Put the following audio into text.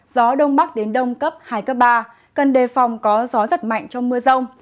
gió đông bắc đến đông cấp hai cấp ba cần đề phòng có gió giật mạnh trong mưa rông